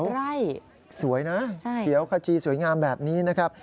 ไร่สวยนะเขียวขจีสวยงามแบบนี้นะครับ